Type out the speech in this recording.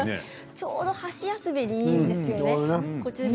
ちょうど箸休めにいいですね。